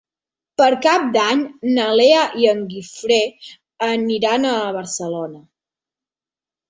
Per Cap d'Any na Lea i en Guifré aniran a Barcelona.